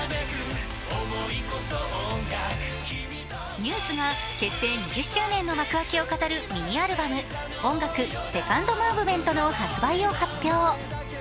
ＮＥＷＳが結成２０周年の幕開けを飾るミニアルバム、「音楽−２ｎｄＭｏｖｅｍｅｎｔ−」の発売を発表。